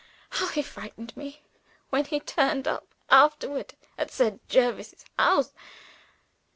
how he frightened me, when he turned up afterward at Sir Jervis's house.)